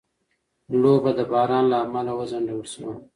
لوبه د باران له امله وځنډول شوه.